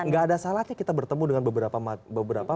nggak ada salahnya kita bertemu dengan beberapa